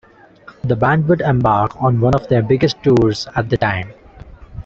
The band would embark on one of their biggest tours at the time.